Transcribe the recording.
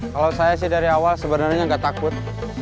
kalau saya sih dari awal sebenarnya nggak takut